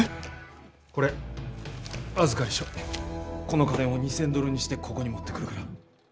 この金を２，０００ドルにしてここに持ってくるから。